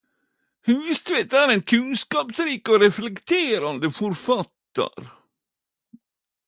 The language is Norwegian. Hustvedt er ein kunnskapsrik og reflekterande forfattar.